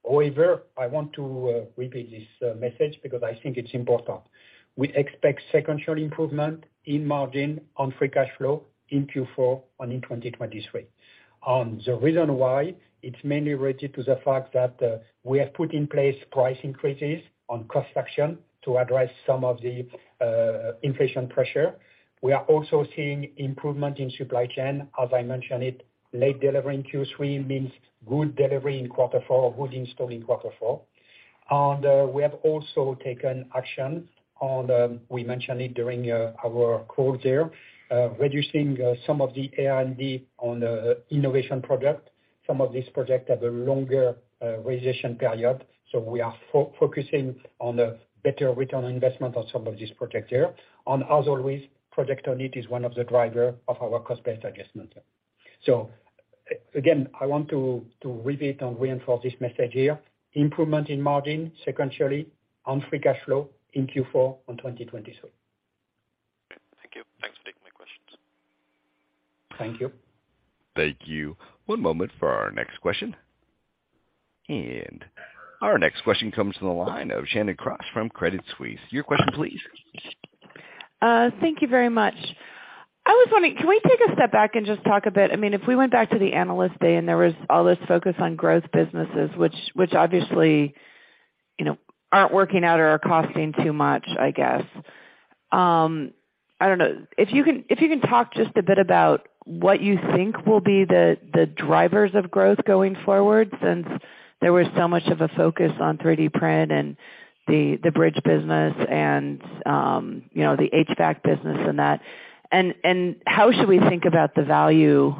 However, I want to repeat this message because I think it's important. We expect sequential improvement in margin on free cash flow in Q4 and in 2023. The reason why, it's mainly related to the fact that we have put in place price increases on cost action to address some of the inflation pressure. We are also seeing improvement in supply chain. As I mentioned it, late delivery in Q3 means good delivery in quarter four or good install in quarter four. We have also taken action on, we mentioned it during our call there, reducing some of the R&D on the innovation product. Some of these project have a longer realization period, so we are focusing on the better return on investment on some of these project here. As always, Project Own It is one of the driver of our cost base adjustment. Again, I want to repeat and reinforce this message here. Improvement in margin sequentially on free cash flow in Q4 of 2023. Thank you. Thanks for taking my questions. Thank you. Thank you. One moment for our next question. Our next question comes from the line of Shannon Cross from Credit Suisse. Your question please. Thank you very much. I was wondering, can we take a step back and just talk a bit, I mean, if we went back to the analyst day, and there was all this focus on growth businesses, which obviously, you know, aren't working out or are costing too much, I guess. I don't know, if you can talk just a bit about what you think will be the drivers of growth going forward, since there was so much of a focus on 3D print and the bridge business and, you know, the HVAC business and that. How should we think about the value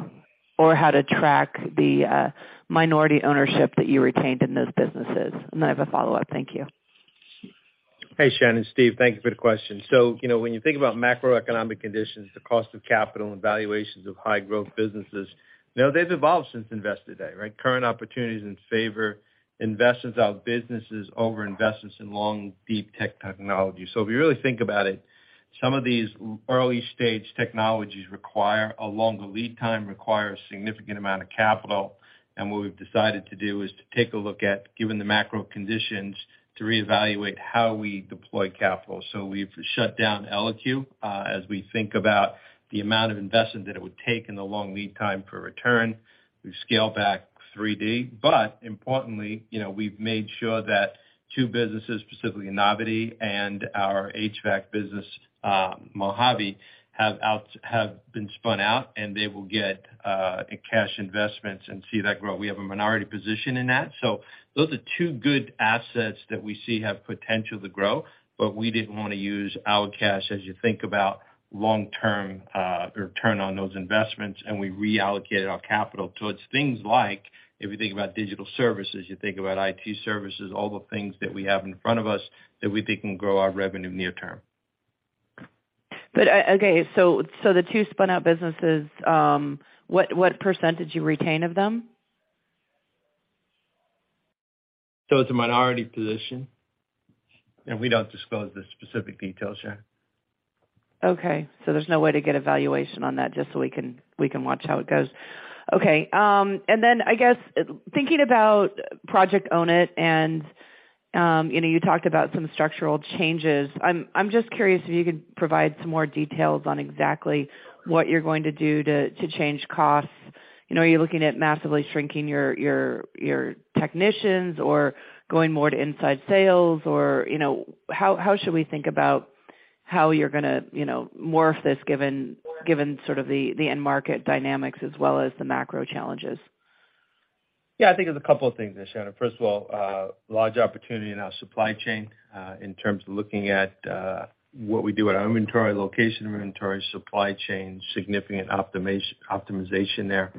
or how to track the minority ownership that you retained in those businesses? I have a follow-up. Thank you. Hey, Shannon. Steve, thank you for the question. You know, when you think about macroeconomic conditions, the cost of capital and valuations of high growth businesses, you know, they've evolved since Investor Day, right? Current opportunities favor investments in our businesses over investments in long, deep-tech technology. If you really think about it, some of these early stage technologies require a longer lead time, require a significant amount of capital. What we've decided to do is to take a look at, given the macro conditions, to reevaluate how we deploy capital. We've shut down Eloque as we think about the amount of investment that it would take and the long lead time for return. We've scaled back 3D, but importantly, you know, we've made sure that two businesses, specifically Novity and our HVAC business, Mojave, have been spun out, and they will get cash investments and see that growth. We have a minority position in that. Those are two good assets that we see have potential to grow, but we didn't wanna use our cash as you think about long-term return on those investments, and we reallocated our capital towards things like if you think about digital services, you think about IT services, all the things that we have in front of us that we think can grow our revenue near term. The two spun out businesses, what percentage you retain of them? It's a minority position, and we don't disclose the specific details, Shannon. Okay, there's no way to get a valuation on that, just so we can watch how it goes. Okay, I guess thinking about Project Own It, you know, you talked about some structural changes. I'm just curious if you could provide some more details on exactly what you're going to do to change costs. You know, are you looking at massively shrinking your technicians or going more to inside sales? You know, how should we think about how you're gonna morph this given sort of the end market dynamics as well as the macro challenges? Yeah, I think there's a couple of things there, Shannon. First of all, large opportunity in our supply chain, in terms of looking at what we do at our inventory location, inventory supply chain, significant optimization there,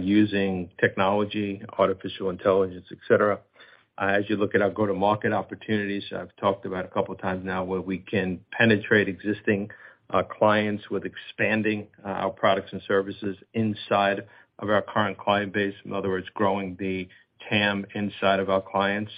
using technology, artificial intelligence, et cetera. As you look at our go-to-market opportunities, I've talked about a couple of times now, where we can penetrate existing clients with expanding our products and services inside of our current client base. In other words, growing the TAM inside of our clients.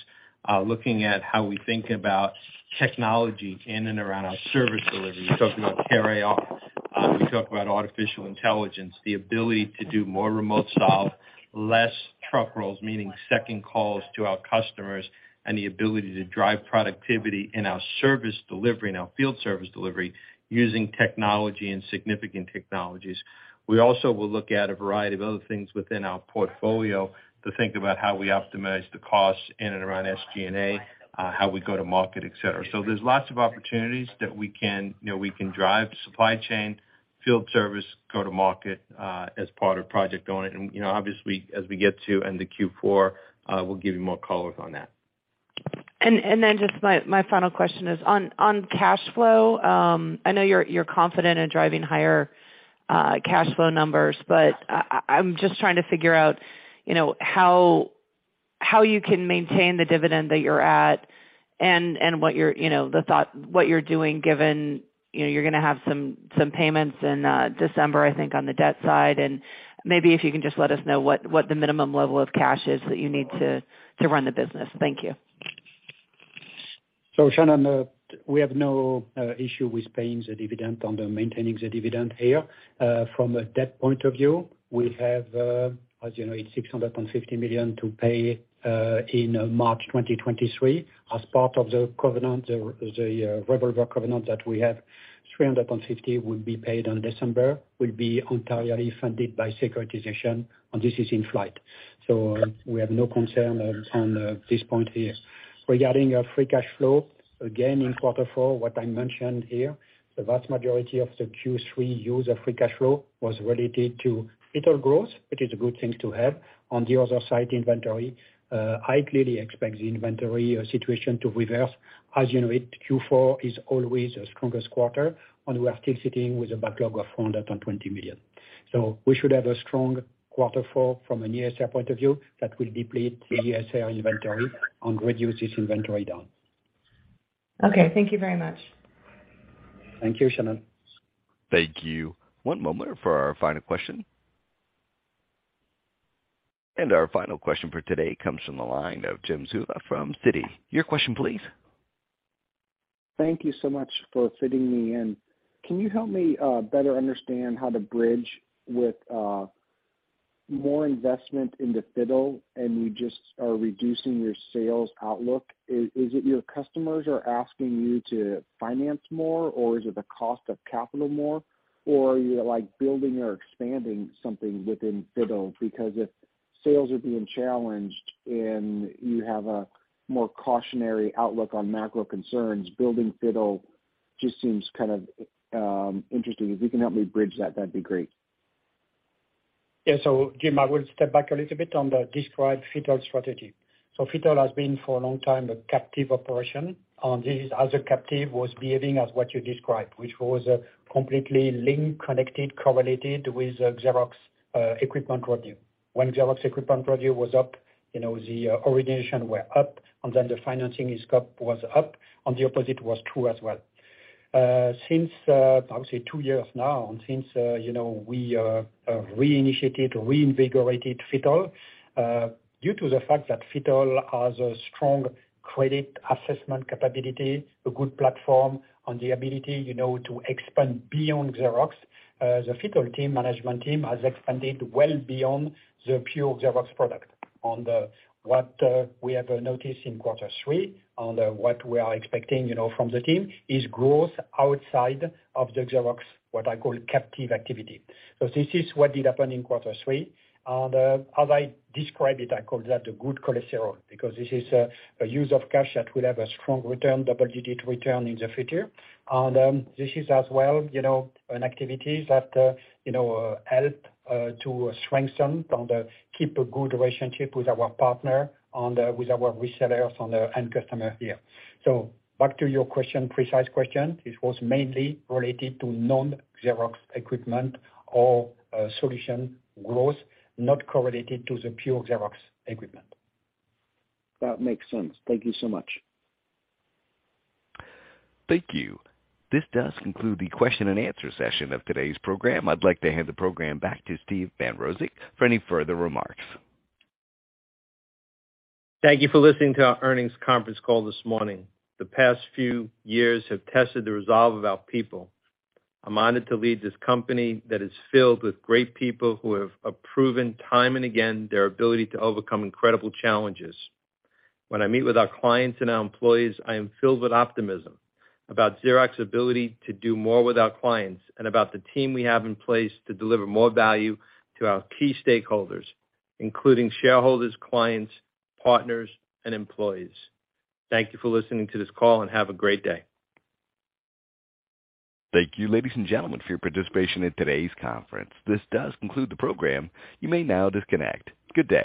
Looking at how we think about technology in and around our service delivery. We talk about Artificial Intelligence. We talk about artificial intelligence, the ability to do more remote solve, less truck rolls, meaning second calls to our customers, and the ability to drive productivity in our service delivery, in our field service delivery, using technology and significant technologies. We also will look at a variety of other things within our portfolio to think about how we optimize the costs in and around SG&A, how we go to market, et cetera. There's lots of opportunities that we can, you know, drive supply chain, field service, go to market, as part of Project Own It. You know, obviously, as we get to end of Q4, we'll give you more color on that. Then just my final question is on cash flow. I know you're confident in driving higher cash flow numbers, but I'm just trying to figure out, you know, how you can maintain the dividend that you're at and what you're, you know, the thought, what you're doing given, you know, you're gonna have some payments in December, I think, on the debt side. Maybe if you can just let us know what the minimum level of cash is that you need to run the business. Thank you. Shannon, we have no issue with paying and maintaining the dividend here. From a debt point of view, we have, as you know, $860.50 million to pay in March 2023 as part of the covenant, the revolver covenant that we have. $350 million will be paid on December, will be entirely funded by securitization, and this is in flight. We have no concern on this point here. Regarding our free cash flow, again, in quarter four, what I mentioned here, the vast majority of the Q3 use of free cash flow was related to little growth, which is a good thing to have. On the other side, inventory. I clearly expect the inventory situation to reverse. As you know it, Q4 is always the strongest quarter, and we're still sitting with a backlog of $420 million. We should have a strong quarter four from an ESR point of view that will deplete the ESR inventory and reduce this inventory down. Okay. Thank you very much. Thank you, Shannon. Thank you. One moment for our final question. Our final question for today comes from the line of Jim Suva from Citi. Your question please. Thank you so much for fitting me in. Can you help me better understand how to bridge with more investment into FITTLE and you just are reducing your sales outlook. Is it your customers are asking you to finance more or is it the cost of capital more? Or are you like building or expanding something within FITTLE? Because if sales are being challenged and you have a more cautionary outlook on macro concerns, building FITTLE just seems kind of interesting. If you can help me bridge that'd be great. Yeah. Jim, I will step back a little bit on the described FITTLE strategy. FITTLE has been for a long time a captive operation, and this is as a captive was behaving as what you described, which was completely linked, connected, correlated with Xerox equipment revenue. When Xerox equipment revenue was up, you know, the origination were up, and then the financing scope was up, and the opposite was true as well. Since obviously two years now and since you know, we re-initiated, reinvigorated FITTLE due to the fact that FITTLE has a strong credit assessment capability, a good platform on the ability, you know, to expand beyond Xerox, the FITTLE team, management team has expanded well beyond the pure Xerox product. On the CapEx, what we have noticed in quarter three on the CapEx we are expecting, you know, from the team is growth outside of the Xerox, what I call captive activity. This is what did happen in quarter three. As I described it, I call that the good cholesterol because this is a use of cash that will have a strong return, double-digit return in the future. This is as well, you know, an activity that help to strengthen and keep a good relationship with our resellers on the end customer here. Back to your question, precise question. It was mainly related to non-Xerox equipment or solution growth not correlated to the pure Xerox equipment. That makes sense. Thank you so much. Thank you. This does conclude the question and answer session of today's program. I'd like to hand the program back to Steve Bandrowczak for any further remarks. Thank you for listening to our earnings conference call this morning. The past few years have tested the resolve of our people. I'm honored to lead this company that is filled with great people who have proven time and again their ability to overcome incredible challenges. When I meet with our clients and our employees, I am filled with optimism about Xerox's ability to do more with our clients and about the team we have in place to deliver more value to our key stakeholders, including shareholders, clients, partners and employees. Thank you for listening to this call and have a great day. Thank you, ladies and gentlemen, for your participation in today's conference. This does conclude the program. You may now disconnect. Good day.